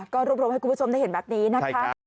ก็รวบรวมให้คุณผู้ชมได้เห็นแบบนี้นะคะ